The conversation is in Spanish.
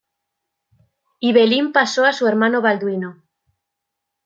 Ibelín pasó a su hermano Balduino.